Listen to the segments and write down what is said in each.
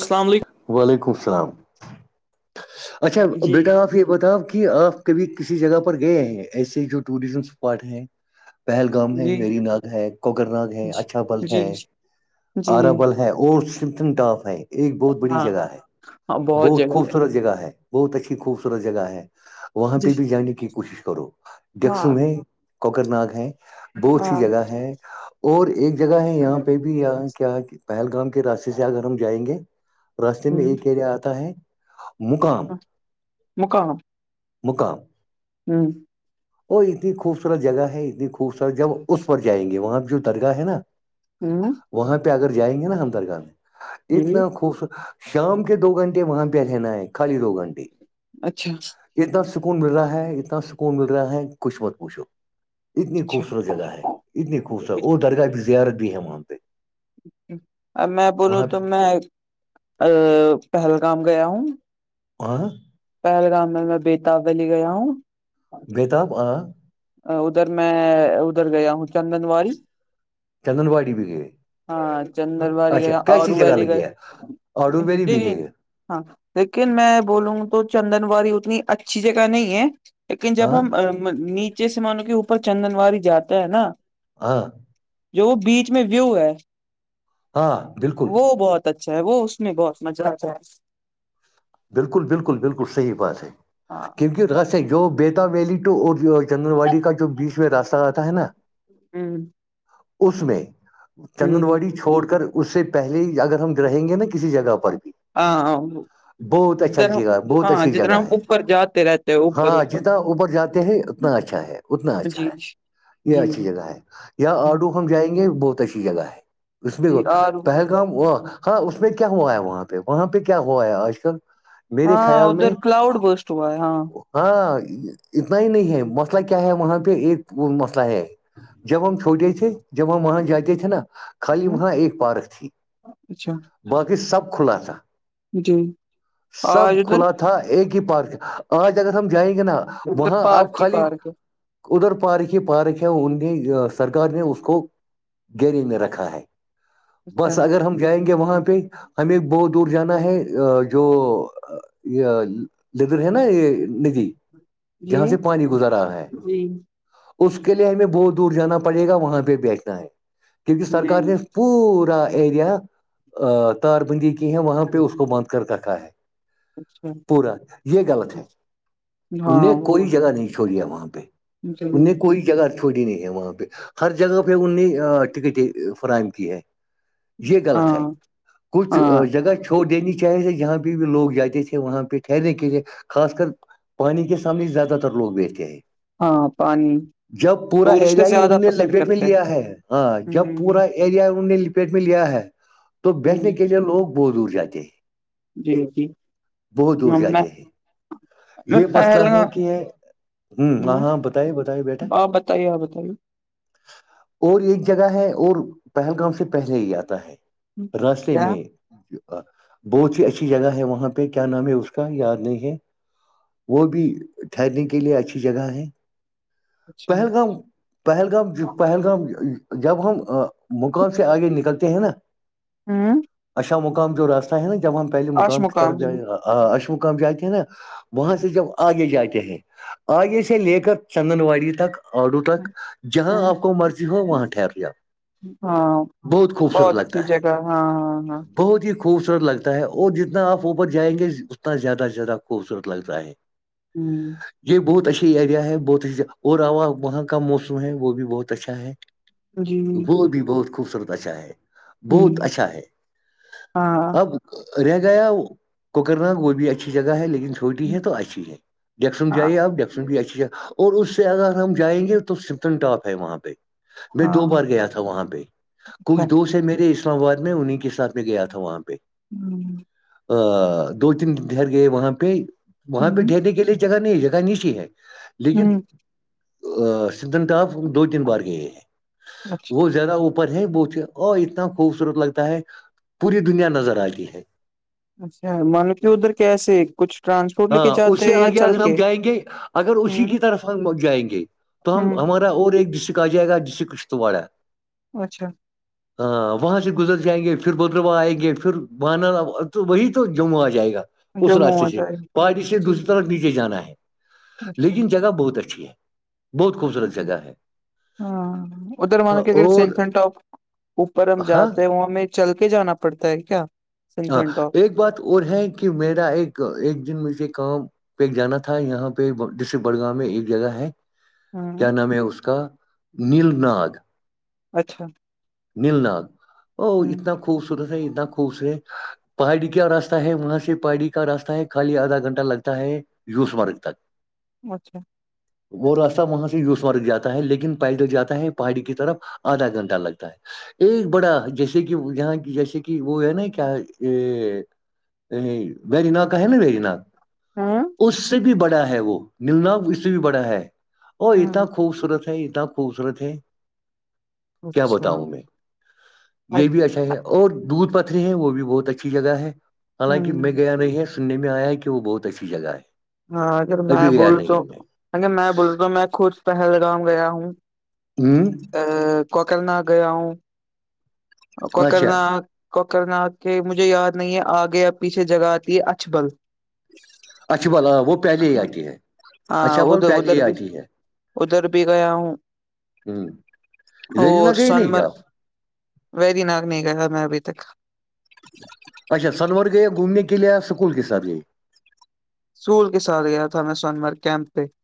السل علیکم وعلیکم السلام اچھا جی بیٹا آپ یہ بتاؤ کہ آپ کب کسی جگہ پر گئے ہیں ایسے جو ٹوریزم اسپاٹ ہیں پہلگام ہے جی ویری ناگ ہے کوکر ناگ ہے اچھا بل جی ہے جی جی آرابل ہے اور سن اپ ہے ایک بہت بڑی ہاں جگہ ہے ہاں بہت جگہ خوب ہے جگہ ہے بہت اچھی خوبصورت جگہ ہے وہاں جی پہ بھی جانے کی کوشش کرو ہاں ڈیکسم ہے کوکر ناگ ہے بہت سی ہاں جگہ ہے اور ایک جگہ ہے یہاں پہ ہ بھی کیا پہلگام کے راستے سے اگر ہم جائیں گے راستے میں ایک ایریا آتا ہے مکام مکام ہوں وہ اتنی خوبصورت جگہ ہے اتنی خوبصورت جب اس پر جائیں گے وہاں پہ جو درگاہ ہے نا ہوں وہاں پہ اگر جائیں گے نا ہمدرگاہ جی اتنا خوبصورت شام کے دو گھنٹے وہاں پہ رہنا ہے خالی دو گھنٹے اچھا اتنا سکون مل رہا ہے اتنا سکون مل رہا ہے کچھ مت پوچھو اتنی اچھا خوبصورت جگہ ہے اتنی خوبصورت اور درگاہ بھی زیارت بھی ہے وہاں پہ ا میں بولوں وہاں تو میں ا پہلگام گیا ہوں آ [unintelligible] [inaudible] پہلگام میں میں بیتابلی گیا ہوں بتاب ادھر میں ادھر گیا ہوں چندن وی چندن واڑی بھی گئے ہاں چندرواری اچھا گئے کیسی اوررو جگہ ولی گئے لگی ہے آڈو ویلی د بھی گئی ہے ہاں لیکن میں بولوں گ تو چندن واڑی اتنی اچھی جگہ نہیں ہے لیکن جب ہاں ہم نیچے سے مانو کہ اوپر چندن وی جاتے ہیں نا ہاں جو بیچ میں ویو ہے ہاں بالکل وہ بہت اچھا ہے وہ اس میں بہت مزہ آتا ہے بالکل بالکل بالکل صحیح بات ہے ہاں کیونکہ راستے جو بیتا ویلی و اور چندن واڑی کا جو بیچ میں راستہ رہتا ہے نا ہاں اس میں چندن ہوں واڑی چھوڑ کر اس سے پہلے اگر ہم رہیں گے نا کیا ہاں بہت اچھا جدھر ہم جگہ بہت ہاں اچھی جدھر جگہ ہم ہے اوپر جاتے رہتے ہیں اوپر ہاں اوپر جتنا اوپر جاتے ہیں اتنا اچھا ہے اتنا اچھا جی ہے یہ جی اچھی جگہ ہے یا آرڈو ہم جائیں گے بہت اچھی جگہ ہے اس میں جی آر پہل کام وہ ہاں اس میں کیا ہوا ہے وہاں پہ وہاں پہ کیا ہوا ہے آج کے ہاں ادھر کلاؤڈ بسٹ ہوا ہے ہاں ہاں اتنا ہی نہیں ہے مسئلہ کیا ہے وہاں پہ ایک مسئلہ ہے جب ہم چھوٹے تھے جب ہم وہاں جاتے تھے نا خالی ہ وہاں ایک پارک تھی اچھا باقی سب کھلا تھا جی سب آج ادھر کھلا تھا ایک ہی پارک آج اگر ہم جائیں گے نا ادھر وہاں آپ پارک ہی خالی پارک ہے ادھر پارک ہی پارک ہے انیں سرکار نے اس کو گیری میں رکھا ہے اچھا بس اگر ہم جائیں گے وہاں پہ ہمیں بہت دور جانا ہے جو یہ لدر ہے نا یہ ندھی جی جہاں سے پانی گزارا ہے جی اس کے لیے ہمیں بہت دور جانا پڑے گا وہاں پہ بیٹھنا ہے کیونکہ سرکار نے جی پورا ایریا تار بندی کی ہے وہاں پہ اس کو بند کاکھا ہے اچھا پورا یہ غلط ہے ان ہاں نے وہ کوئی جگہ نہیں چھوڑی ہے وہاں پہ ہے۔ ان جی نے کوئی جگہ چھوڑی نہیں ہے وہاں پہ ہر جگہ پہ ان نے ٹکٹیں فراہم کی ہے یہ غلط ہاں ہے کچھ ہاں جگہ چھوڑ دینی چاہے تھ جہاں پہ بھی لوگ جاتے تھے وہاں پہ ٹہرنے کے لیے خاص کر پانی کے سامنے ہی زیادہ تر لوگ بیٹھتے ہیں ہاں پانی جب پورا ٹورسٹ ایریا ہی زیادہ ان نے پسند لپیٹ میں کرتے لیا ہیں ہے ہاں جب پورا ہ ایریا ان نے پیٹ میں لیا ہے تو بیٹھنے کے لیے لوگ بہت دور جاتے ہیں جی جی بہت دور میں جاتے ہیں میں یہ مسئلہ ہے پہلگام کہ ہاں ہاں بتائیے بتائیے بیٹا آپ بتائیے آپ بتائیے اور ایک جگہ ہے اور پہلگام سے پہلے ہی آتا ہے راستے کیا میں بہت ہی اچھی جگہ ہے وہاں پہ کیا نام ہے اس کا یاد نہیں ہے وہ بھی ٹھہرنے کے لیے اچھی جگہ ہے اچھا پہلگام پہلگام ج پہلگام جب ہم مقام سے آگے نکلتے ہیں نا ہاں اشا مقام جو راستہ ہے نا جب ہم پہلے مقام کی طرف جائیںا آ اشمقام جاتے ہیں نا وہاں سے جب آگے جاتے ہیں آگے سے لے کر چندن واڑی تک آڈو تک جہاں آپ کو مرضی ہو وہاں ٹھہرے آپ ہاں بہت اچھی ہے جگہ ہاں ہاں ہاں بہت ہی خوبصورت لگتا ہے اور جتنا آپ اوپر جائیں گے اتنا زیادہ سے زیادہ خوبصورت لگتا ہے یہی بہت اچھیا ا ایریا ہے بہت اچھا اور وہاں کا موسم ہے وہ بھی بہت اچھا ہے ہ جی وہ بھی بہت خوبصورت اشاء ہے ہوں بہت اچھا ہے ہاں اب رہ گیا کوکر ناگ وہ بھی اچھی جگہ ہے لیکن چوٹی ہے تو اچھی ہے جیکسن ہاں جائیے آپیکس بھی اچھی ج [unintelligible] اور اس سے اگر ہم جائیں گے تو ستن ٹاپ ہے وہاں پہ میں دو ہاں بار گیا تھا وہاں پہ اچھا کچھ دوست ہیں میرے اس اسلام آباد میں انہیں کے ساتھ میں گیا تھا وہاں پہ ہوں [inaudible] ا دو تین ٹھر گئے وہاں پہ وہاں پہ ہوں ھہرنے کے لیے جگہ نہیں ہے جگہ نیچے ہے لیکن سدن تاپ دو تین بار گئے ہیں اچھا وہ زیادہ اوپر ہے وہ اور اتنا خوبصورت لگتا ہے پوری دنیا نظر آتی ہے اچھا مان لو کہ ادھر کیسے کچھ ٹرانسپورٹ لے کے ہاں اس جاتے سے ہیں یا آگے چل اگر کے ہم جائیں گے اگر اسی ہوں کی طرف سے جائیں گے تو ہم ہوں ہمارا اور ایک ڈسٹرکٹ آ جائے گا ڈسٹرکٹ کشتاڑا اچھا ہاں وہاں سے گزر جائیں گے پھر بدرواہ آئیں گے پھر وہان تو وہی تو جموں آ جائے گا جمو آ جائے گا پاری سے دوسری طرف نیچے جانا ہے اچھا لیکن جگہ بہت اچھی ہے بہت جی جگہ ہے [inaudible] ہاں ادھر مان کے ا اور سینف ٹاپ اوپر ہم ہاں جاتے ہیں وہاں ہم میں چل کے جانا پڑتا ہے کیا ہاں سنسن ٹاپ ایک بات اور ہے کہ میرا ایک ایک دن مجھے کام پہ ایک جانا تھا یہاں پہ ڈسٹرکٹ بڑگاؤ میں ایک جگہ ہے ہوں کیا نام ہے اس کا نیل نگ اچھا نیل ناگ او ہ اتنا خوبصورت ہے اتنا خوبصورت ہے پہاڑی کیا راستہ ہے وہاں سے پہاڑی کا راستہ ہے خالی آدھا گھنٹہ لگتا ہے یوز مارگتا ہے [unintelligible] اچھا وہ راستہ وہاں سے یوسمارگ جاتا ہے لیکن پہل دک جاتا ہے پہاڑی کی طرف آدھا گھنٹہ لگتا ہے ایک بڑا جیسے کہ یہاں جیسے کہ وہ ہے نا کہ کیا یہ ویریناگ کا ہے نا ویری نگ [inaudible] ہاں [unintelligible] اس سے بھی بڑا ہے وہ نیمنا اس سے بھی بڑا ہے ا اتنا ہاں خوبصورت ہے اتنا خوبصورت ہے کیا اچھا بتاؤوں میں ہ یہ بھی اچھا ہے اور دودھ پ ہیں وہ بھی بہت اچھی جگہ ہے حالانکہ میں گیا نہیں ہے سننے میں آیا ہے کہ وہ بہت اچھی جگہ ہے ہاں اگر میں ابھی گیا نہیں بولتا میں ہ اگر میں بولتا میں خود پہلگام گیا ہوں ہوں ا کوکرنااگ گیا ہوں اچھا کوکرنااگ [inaudible] کوکر نگ کے مجھے یاد نہیں ہے آگے اب پیچھے جگہ آتی ہے اچھبل اچھا بول ہاں وہ پہلے ہی آتی ہے ہاں اچھا بول ادھر پہلے ہی ادھر بھی آتی ہے [inaudible] ادھر بھی گیا ہوں ہوں ای نگئی نہیں کیا [unintelligible] وی دینک نہیں گیا میں ابھی تک [unintelligible] اچھا سنور گئییا گھومنے کے لیے یا سکول کے ساتھ گئی سول کے ساتھ گیا تھا میں سونمرگ کیمپ پہ [inaudible]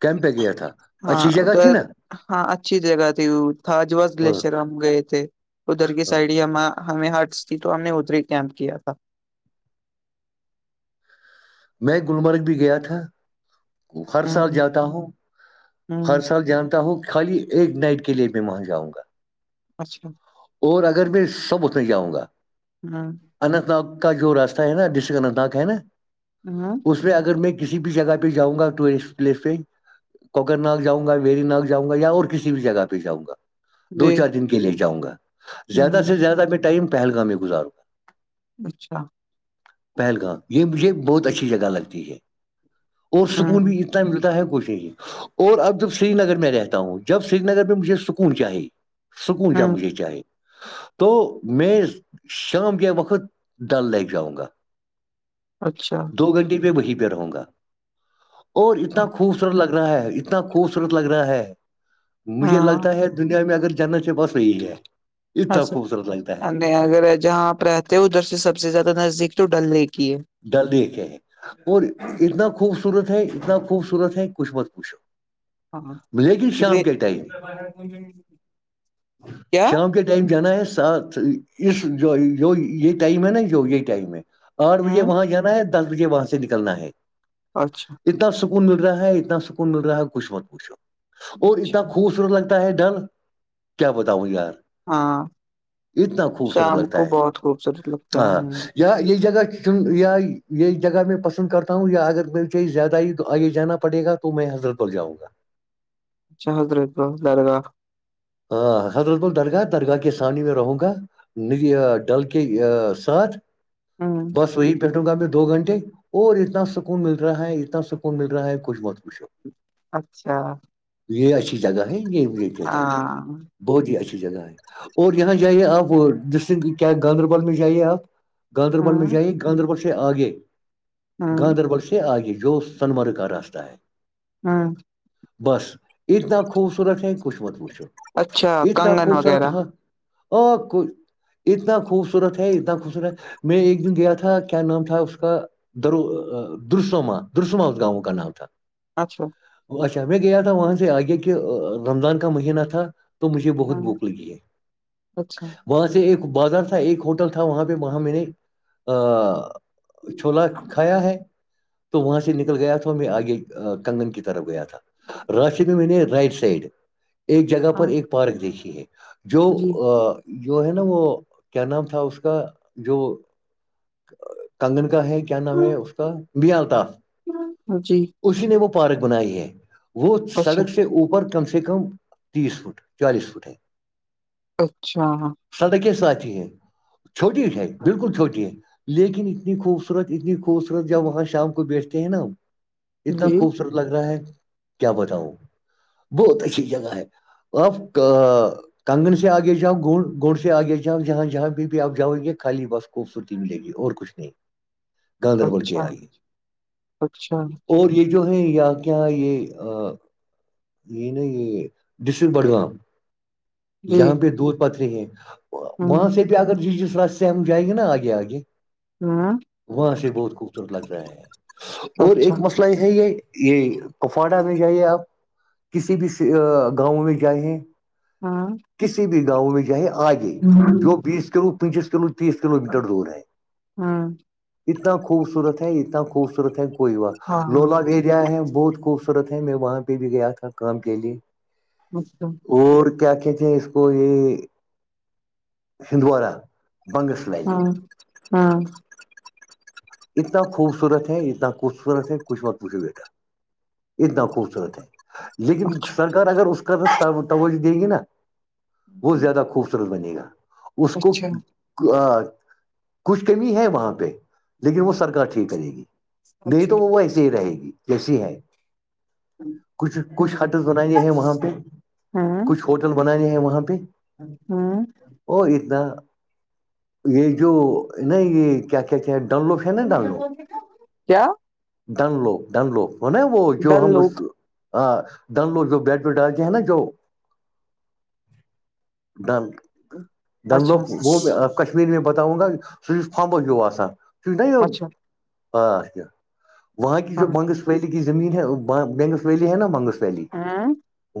کیم پہ گیا تھا ہاں اچھی جگہ تھی ادھر نا ہاں اچھی جگہ تھی تھاجوس ہاں گلیشر ہم گئے تھے ادھر کی ہاں سائڈ ہی ہم ہمیں ہرٹس تھی تو ہم نے ادھر ہی کیمپ کیا تھا میں گلمرگ بھی گیا تھا ہر ہ سال جاتا ہوں ہ ہر سال جانتا ہوں کہ خالی ایک نائٹ کے لیے میں وہاں جاؤں گا اچھا اور اگر میں سب اتنے ہی جاؤں گا ہاں اننت ناگ کا جو راستہ ہے نا ڈسٹرک اننتناگ ہے ن ہاں اس میں اگر میں کسی بھی جگہ پہ جاؤں گا ٹورسٹ پلیس پہ کوکر ناگ جؤں گا ویری ناگ جاؤں گا یا اور کسی بھی جگہ پہ جاں گا دو جی چار دن کے لیے جاؤں گا ہ زیادہ سے زیادہ میں ٹائم پہلگام میں گزاروں گا اچھا پہلگام یہ مجھے بہت اچھی جگہ لگتی ہے اور ہ سکون بھی اتنا ملتا ہے کچھ اور اب جب سری نگر میں رہتا ہوں جب سری نگر میں مجھے سکون چاہی سکون جا ہ مجھے چاہے تو میں شام کے وقت ڈل لیک جاؤں گا اچھا گھنٹے پہ وہیں پہ رہوں گا اور اتنا خوبصورت لگا رہا ہے اتنا خوبصورت لگ رہا ہے مجھے ہاں لگتا ہے تو دنیا میں اگر جاننا چاہے بس وہی ہے اتنا خوبصورت لگتا ہے اچھا اگر جہاں آپ رہتے ہو ادھر سے سب سے زیادہ نزدیک تو ڈل لیک ہی ہے درد ہے اور اتنا خوبصورت ہے اتنا خوبصورت ہے کچھ مت پوچھو ہاں لیکن شام لے- کے ٹائم کیا شام کے ٹ ٹائم جانا ہے ساتھ اس جو جو یہ ٹائم ہے نا جو یہ ٹائم ہے آپ بجے ہوں وہاں جانا ہے دس بجے وہاں سے نکلنا ہے اچھا سکون مل رہا ہے اتنا سکون مل رہا ہے کچھ مت کچھ اور اتنا اچھا خوبصورت لگتا ہے ڈر کیا بتاؤں یار ہاں اتنا خوبصورت شام کو لگتا ہے بہت خوبصورت لگتا ہے ہاں ہوں، یہ جگہ چن یا یہ جگہ میں پسند کرتا ہوں یا اگر کوئی چاہیز زیادہ ہی آگے جانا پڑے گا تو میں حضرت بل جاؤں گا اچھ حضرت بل درگاہ ہاں حضرت بل درگاہ درگاہ کے سانی میں رہوں گا ن ڈل کے ساتھ ہوں بس وہی بیٹھوں گا بھی دو گھنٹے اور اتنا سکون مل رہا ہے اتنا سکون مل رہا ہے کچھ بہت کچھ اچھا یہ اچھی جگہ ہے یہ کہتا ہاں بہت ہی اچھی جگہ ہے اور یہاں جائیے آپ ڈسٹن کیا گاندربل میں جائیے آپ گاندربل ہاں میں جائی گاندربل سے آگے ہاں گاندربل سے آگے جو سنمرگ کا راستہ ہے ہاں بس اتنا خوبصورت ہے کچھ مت پوچھو اچھا اتنا کنگن خوبصورت وغیرہ تھا اور کو اتنا خوبصورت ہے اتنا خوبصورت ہے میں ایک دن گیا تھا کیا نام تھا اس کا درو درسما درسما اس گاؤں کا نام تھا اچھا اچھا میں گیا تھا وہاں سے آگے کہ رمضان کا مہینہ تھا مجھے بہت ہاں بھوک لگی ہے اچھا وہاں سے ایک بازار تھا ایک ہوٹل تھا وہاں پہ وہاں میں نے چھولا کھایا ہے تو وہاں سے نکل گیا تھا میں آگے کنگن کی طرف گیا تھا راشد میں میں نے رائٹ سائڈ ایک جگہ ہاں ایک پارک دیکھیے جو جی جو ہے نا وہ کیا نام تھا اس کا جو کانگن کا ہے کیا نام ہے اس کا بیال تھا جی اسی نے وہ پارک بنائی ہے وہ اچھا سڑک سے اوپر کم سے کم تیس فٹ چالیس فٹ ہے اچھا سڑکیں ساتھی ہیں چھوٹی ہے ہے بالکل چھوٹی ہے لیکن اتنی خوبصورت اتنی خوبصورت جب وہاں شام کو بیٹھتے ہیں نا ہم اتنا جی خوبصورت لگ رہا ہے کیا بتاؤ بہت اچھی جگہ ہے آف کنگن سے آگے جاؤ گوڑ گوڑ سے آگے جاؤ جہاں جہاں بھی بھی آپ جاؤ گے خالی بس خوبصورتی ملے گی اور کچھ نہیں گاندربل کے اچھا آگے اچھا اور یہ جو ہے یا کیا یہ یہ نا یہ ڈسٹرک بڑگام جی یہاں پہ دو پتے ہیں ہوں وہاں سے پہ اگر جی جس راس سے ہم جائیں گے نا آگے آگے ہوں وہاں سے بہت خوبصورت لگتا ہے اور اچھا ایک مسئلہ یہ یہ یہ کپواڑہ میں جائیے آپ کسی بھی گاؤں میں جائیں ہاں کسی بھی گاؤں میں چاہ ہے آگے جو ہاں بیس کلو پینچیس کلو تیس کلو میٹر دور ہے اتنا خوبصورت ہے اتنا خوبصورت ہے کوئی ہاں لولاگ ایریا ہے بہت خوبصورت ہے میں وہاں پہ بھی گیا تھا کام کے لیے اچھا اور کیا کہ تھے اس کو یہ ہندوارا ہاں ہاں اتنا خوبصورت ہے اتنا خوبصورت ہے کچھ مت پوچھو بیٹا اتنا خوبصورت ہے لیکن اچھا سرکار اگر اس کا توجہ دے گی نا وہت زیادہ خوبصورت بنے گا اس کو اچھا کچھ کمی ہے وہاں پہ لیکن وہ سرک ٹھیک کرے گی نہیں اچھا تو وہ وہ ایس ہی رہے گی جیسی ہے کچھ کچھ جی ہٹز بنے ہیں وہاں پہ کچھ ہوٹل بنانے ہیں وہاں پہ ہوں ا اتنا یہ جو ن یہ کیا کیا کیا ہیں لو فین ڈان کیا ڈن لو وہ جو ڈل ہم لوگ ڈند لوگ جو بیڈ ویڈ ڈالتےے ہیں نا جو ڈند ہ دند لو وہ کشمیر میں بتاؤں گا جو فمبو ہو آسان اچھا یہ وہاں کی ہاں جو بنگس ویلی کی زمین ہے بنگس ویلی ہے نا بنگس پہلی ہاں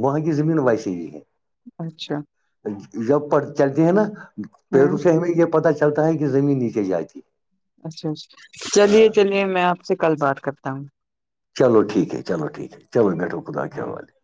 وہاں کی زمین ویسی ہی ہے اچھا جب پ چلتے ہیں نا ہاں پیروں سے ہمیں یہ پتا چلتا ہے کہ زمین نیچے جاتی اچھاچ چلیے ہاں چلیے میں آپ سے کل بات کرتا ہوں چلو ٹھیک ہے چلو ٹھیک ہے چلو بیٹھو خدا کے حال ہے